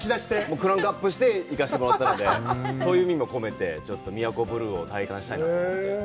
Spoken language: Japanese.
クランクアップして、行かせてもらったので、そういう意味も込めて、ちょっと宮古ブルーを体感したいなと思って。